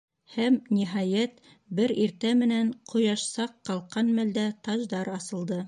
Һәм, ниһайәт, бер иртә менән, ҡояш саҡ ҡалҡҡан мәлдә, таждар асылды.